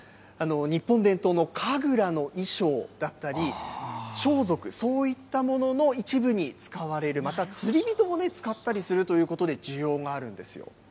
日本伝統の神楽の衣装だったり、装束、そういったものの一部に使われる、また釣り人も使ったりするということで、需要があるんですよ。